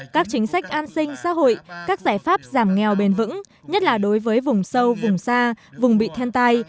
các chính sách an sinh xã hội các giải pháp giảm nghèo bền vững nhất là đối với vùng sâu vùng xa vùng bị thiên tai